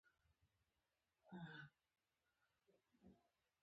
په فېسبوک کې خلک د خپلو کلتورونو پیغامونه شریکوي